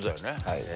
はい。